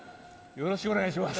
よろしくお願いします。